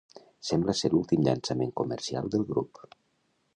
Sembla ser l'últim llançament comercial del grup.